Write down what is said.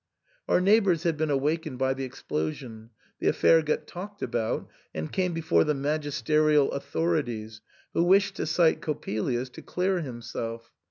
Our neighbours had been awakened by the explosion ; the affair got talked about, and came before the magis terial authorities, who wished to cite Coppelius to clear himself.